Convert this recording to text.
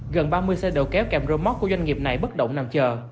gần ba mươi xe đậu kéo kèm remote của doanh nghiệp này bất động nằm chờ